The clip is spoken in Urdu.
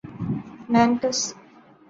مینکس